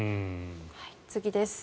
次です。